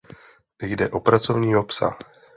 Jde o pracovního psa.